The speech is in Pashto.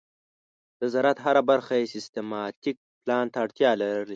د زراعت هره برخه یو سیستماتيک پلان ته اړتیا لري.